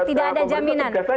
tidak ada jaminan